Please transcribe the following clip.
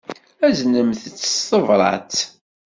Aznemt-t s tebṛat.